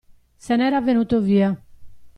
Se n'era venuto via.